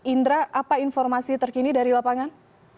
indra apa informasi terkini dari lapangan